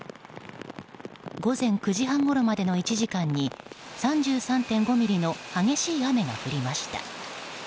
午前９時半ごろまでの１時間に３３．５ミリの激しい雨が降りました。